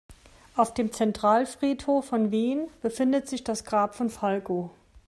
Auf dem Zentralfriedhof von Wien befindet sich das Grab von Falco.